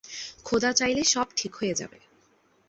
খোদা চাইলে সব ঠিক হয়ে যাবে।